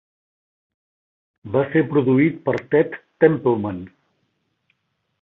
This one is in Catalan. Va ser produït per Ted Templeman.